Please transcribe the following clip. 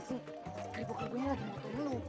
keribu keribunya lagi muter lu